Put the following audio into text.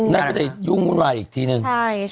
น่าจะยุ่งไว้อีกทีนึง